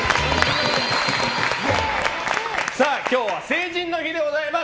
今日は成人の日でございます。